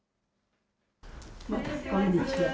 こんにちは。